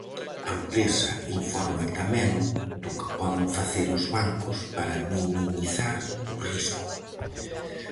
A empresa informa tamén do que poden facer os bancos para minimizar o risco.